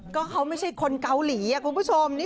ก็เขาไม่ใช่คนเกาหลีคุณผู้ชม